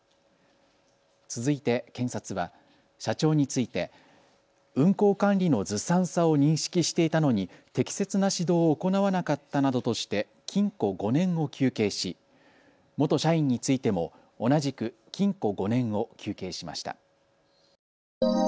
続いて検察は社長について運行管理のずさんさを認識していたのに適切な指導を行わなかったなどとして禁錮５年を求刑し元社員についても同じく禁錮５年を求刑しました。